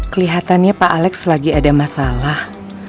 kelihatannya pak alex lagi ada masalah